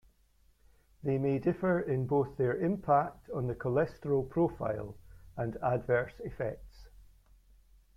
They may differ in both their impact on the cholesterol profile and adverse effects.